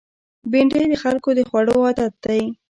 بېنډۍ د خلکو د خوړو عادت دی